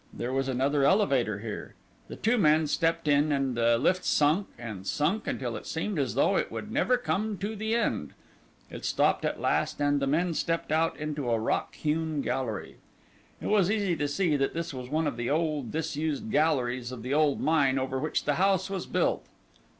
There was another elevator here. The two men stepped in and the lift sunk and sunk until it seemed as though it would never come to the end. It stopped at last, and the men stepped out into a rock hewn gallery. It was easy to see that this was one of the old disused galleries of the old mine over which the house was built.